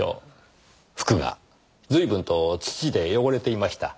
服が随分と土で汚れていました。